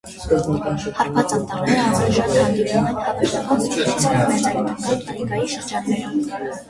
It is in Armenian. Հարբած անտառները առավել շատ հանդիպում են հավերժական սառցույթի, մերձարկտիկական տայգայի շրջաններում։